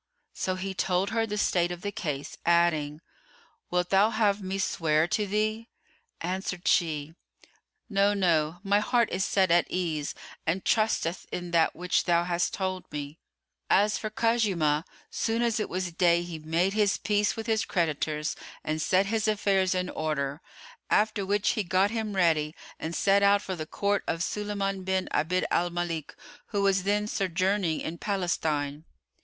So he told her the state of the case, adding, "Wilt thou have me swear to thee?" Answered she, "No, no, my heart is set at ease and trusteth in that which thou hast told me." As for Khuzaymah, soon as it was day he made his peace with his creditors and set his affairs in order; after which he got him ready and set out for the Court of Sulayman bin Abd al Malik, who was then sojourning in Palestine.